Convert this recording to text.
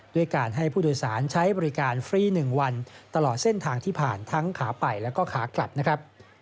ด้วยการให้ผู้โดยสารใช้บริการฟรี๑วันตลอดเส้นทางที่ผ่านทั้งขาไปแล้วก็ขากลับนะครับ